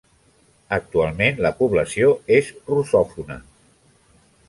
Actualment la població és russòfona.